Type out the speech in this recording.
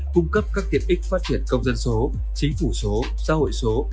cung cấp các tiện ích phát triển công dân số chính phủ số xã hội số